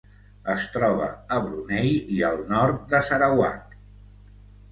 Es troba a Brunei i al nord de Sarawak.